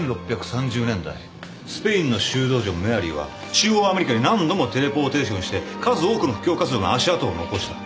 １６３０年代スペインの修道女メアリーは中央アメリカに何度もテレポーテーションして数多くの布教活動の足跡を残した。